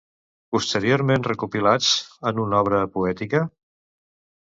Posteriorment recopilats en una obra poètica?